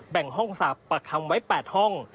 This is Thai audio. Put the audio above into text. งห้องสอบปากคำไว้๘ห้อง